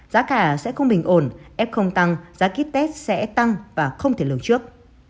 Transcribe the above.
giá cả sẽ không bình ổn ép không tăng giá kết tết sẽ tăng và không thể lường trước